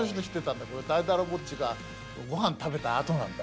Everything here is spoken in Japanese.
だいだらぼっちがご飯食べた跡なんだ。